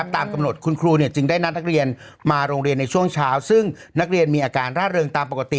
ตามกำหนดคุณครูจึงได้นัดนักเรียนมาโรงเรียนในช่วงเช้าซึ่งนักเรียนมีอาการร่าเริงตามปกติ